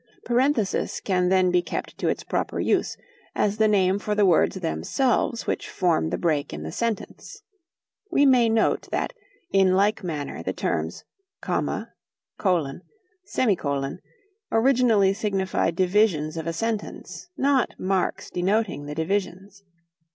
"Parenthesis" can then be kept to its proper use, as the name for the words themselves which form the break in the sentence. We may note that in like manner the terms "comma," "colon," "semicolon," originally signified divisions of a sentence, not marks denoting the divisions.